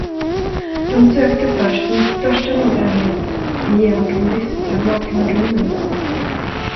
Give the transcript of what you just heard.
De sökte först med största noggrannhet igenom de dystra, nakna rummen.